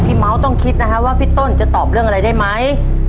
เมาส์ต้องคิดนะฮะว่าพี่ต้นจะตอบเรื่องอะไรได้ไหม